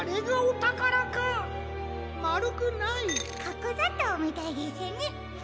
かくざとうみたいですね。